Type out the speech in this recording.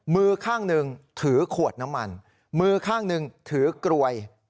มือข้างหนึ่งถือขวดน้ำมันมือข้างหนึ่งถือกรวย